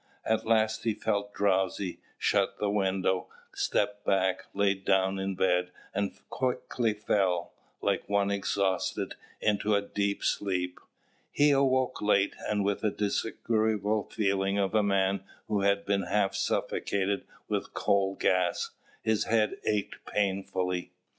At last he felt drowsy, shut to the window, stepped back, lay down in bed, and quickly fell, like one exhausted, into a deep sleep. He awoke late, and with the disagreeable feeling of a man who has been half suffocated with coal gas: his head ached painfully.